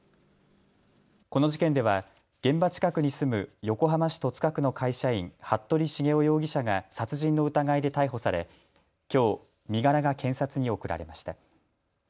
この事件では現場近くに住む横浜市戸塚区の会社員、服部繁雄容疑者が殺人の疑いで逮捕され、きょう身柄が検察に送られました。